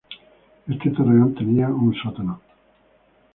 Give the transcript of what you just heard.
Este torreón tenía un sótano.